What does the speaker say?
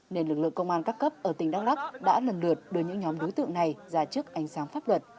nên lực lượng công an các cấp ở tỉnh đắk lắc đã lần lượt đưa những nhóm đối tượng này ra trước ánh sáng pháp luật